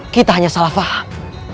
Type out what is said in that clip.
kita hanya salah faham